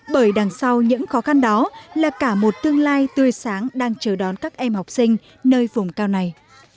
bởi đằng sau những khó khăn đó là cả một tương lai tươi sáng đang chờ đón các em học sinh nơi vùng cao này